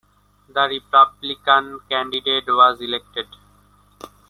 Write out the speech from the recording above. The Republican candidate was elected.